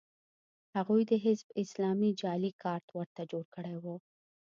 هغوی د حزب اسلامي جعلي کارت ورته جوړ کړی و